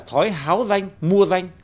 thói háo danh mua danh